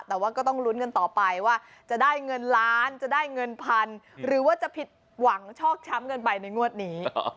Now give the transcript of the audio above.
แต่ว่าก็ต้องลุ้นกันต่อไปว่าจะได้เงินล้านจะได้เงินพันหรือว่าจะผิดหวังชอกช้ำกันไปในงวดนี้